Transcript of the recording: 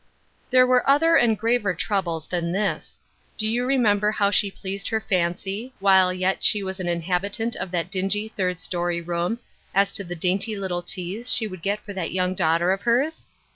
There were other and graver troubles than this. Do you remeaber how she pleased her 158 Ruth Ershine's Crosses, lancy, while yet she was an inhabitant of that dingy third story room, as to the dainty little teas she would get for that young daughter of hers